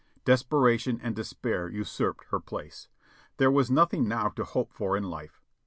Desperation and despair usurped her place. There was nothing now to hope for in life.